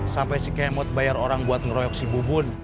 sampai si kemot bayar orang buat ngeroyok si bubun